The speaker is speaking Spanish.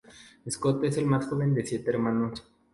Scott es el más joven de siete hermanos.